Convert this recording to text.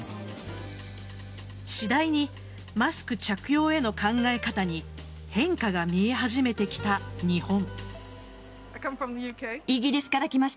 次第に、マスク着用への考え方に変化が見え始めてきた日本。